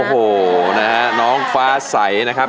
โอ้โฮนะครับน้องฟ้าสัยนะครับ